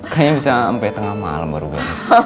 kayaknya bisa sampai tengah malam baru beres